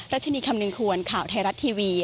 ชนีคำนึงควรข่าวไทยรัฐทีวี